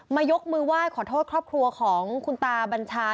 ยกมือไหว้ขอโทษครอบครัวของคุณตาบัญชา